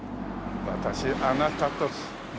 私あなたと」。